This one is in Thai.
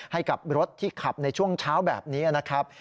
ให้กับรถที่ขับในช่วงเช้าแบบนี้นะครับ